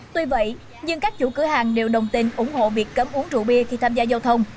tuy vậy nhưng các chủ cửa hàng đều đồng tình ủng hộ việc cấm uống rượu bia khi tham gia giao thông